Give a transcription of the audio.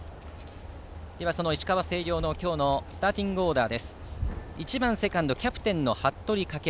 その石川・星稜の今日のスターティングオーダー。